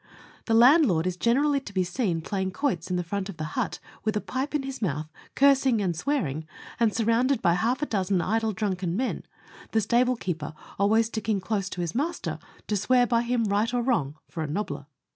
The landlord is generally to be seen playing quoits in front of the hut with a pipe in his mouth, cursing and swearing, and surrounded by half a dozen idle, drunken men the stable keeper always sticking close to his master, to swear by him, right or wrong, for a nobbier.